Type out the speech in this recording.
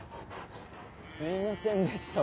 すいませんでした。